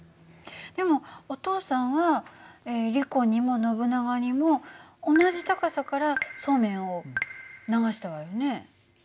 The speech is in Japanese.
でもお父さんはリコにもノブナガにも同じ高さからそうめんを流したわよね。